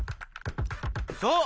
そう。